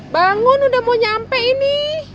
bangun udah mau nyampe ini